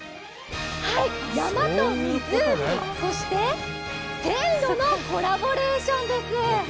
はい、山と湖、そして線路のコラボレーションです。